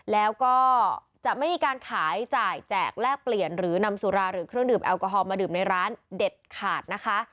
แล้วก็จะไม่มีการขายจ่ายแจกแลกเปลี่ยนหรือนำสุราหรือเครื่องดื่มแอลกอฮอลมาดื่มในร้านเด็ดขาดนะคะ